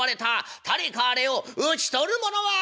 誰かあれを討ち取る者はあらんや！」。